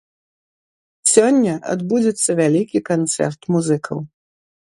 Сёння адбудзецца вялікі канцэрт музыкаў.